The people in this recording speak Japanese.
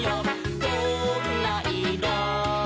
「どんないろ？」